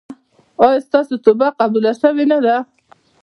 ایا ستاسو توبه قبوله شوې نه ده؟